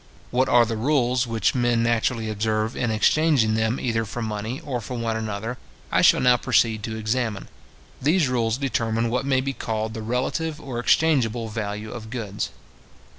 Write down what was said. What are the rules which men naturally observe, in exchanging them either for money, or for one another, I shall now proceed to examine. These rules determine what may be called the relative or exchangeable value of goods.